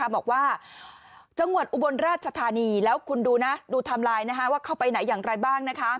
บอกว่าจังหวัดอุบลราชธานีแล้วคุณดูไทม์ไลน์ว่าเข้าไปไหนอย่างไรบ้าง